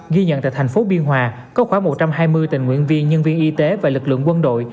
ghi nhận tại thành phố biên hòa có khoảng một trăm hai mươi tình nguyện viên nhân viên y tế và lực lượng quân đội